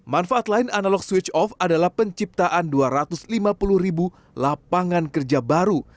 manfaat lain analog switch off adalah penciptaan dua ratus lima puluh ribu lapangan kerja baru